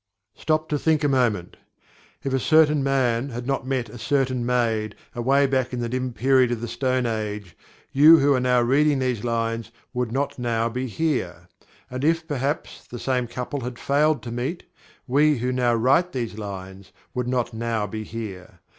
Stop to think a moment. If a certain man had not met a certain maid, away back in the dim period of the Stone Age you who are now reading these lines would not now be here. And if, perhaps, the same couple had failed to meet, we who now write these lines would not now be here.